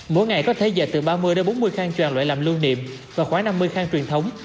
mỗi ngày có thể dệt từ ba mươi bốn mươi khang choàng loại làm lưu niệm và khoảng năm mươi khang truyền thống